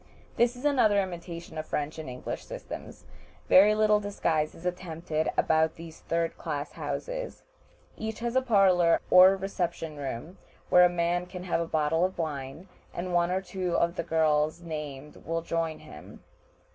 This is another imitation of the French and English systems. Very little disguise is attempted about these third class houses. Each has a parlor or reception room, where a man can have a bottle of wine, and one or two of the girls named will join him.